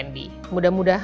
udah udah udah